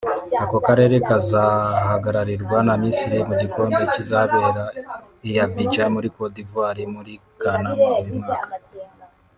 ako karere kakazahagararirwa na Misiri mu gikombe kizabera i Abidjan muri Cote d’Ivoire muri Kanama uyu mwaka